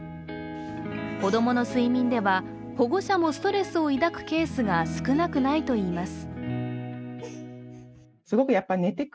子供の睡眠では保護者もストレスを抱くケースが少なくないといいます。